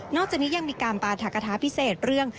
จากนี้ยังมีการปราธกฐาพิเศษเรื่อง